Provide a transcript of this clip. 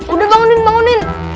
udah bangunin bangunin